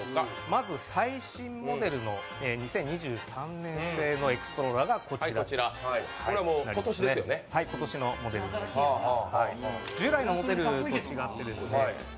まず最新モデルの２０２３年製のエクスプローラーがこちらです、今年のモデルとなっています。